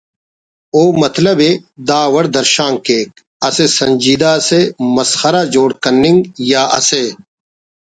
و مطلب ءِ دا وڑ درشان کیک: ''اسہ سنجیدہ اسے مسخرہ جوڑ کننگ یا اسے